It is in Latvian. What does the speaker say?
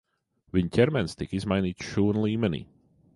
Viņa ķermenis tika izmainīts šūnu līmenī.